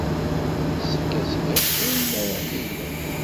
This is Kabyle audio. Yessefk ad tgeḍ ayen ara am-iniɣ.